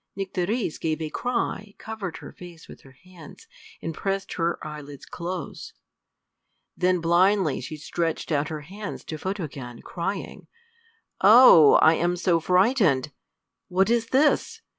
Nycteris gave a cry, covered her face with her hands, and pressed her eyelids close. Then blindly she stretched out her arms to Photogen, crying, "Oh, I am so frightened! What is this?